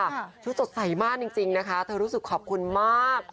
ชุดสดใสมากจริงนะคะเธอรู้สึกขอบคุณมาก